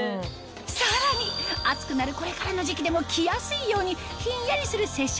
さらに暑くなるこれからの時期でも着やすいようにひんやりする接触